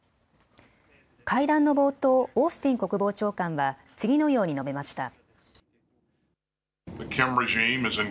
会談の冒頭、オースティン国防長官は次のように述べました。